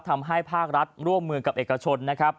ทำให้ภาครัฐร่วมมือกับเอกชนนะครับ